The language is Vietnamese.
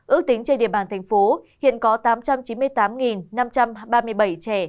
ước tính trên địa bàn thành phố hiện có tám trăm chín mươi tám năm trăm ba mươi bảy trẻ